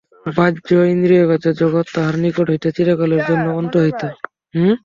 বাহ্য ইন্দ্রিয়গ্রাহ্য জগৎ তাঁহার নিকট হইতে চিরকালের জন্য অন্তর্হিত।